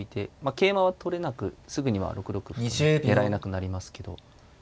桂馬は取れなくすぐには６六歩狙えなくなりますけど。